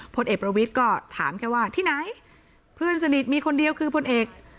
พลเอกประวิทย์ก็ถามแค่ว่าที่ไหนเพื่อนสนิทมีคนเดียวคือพลเอก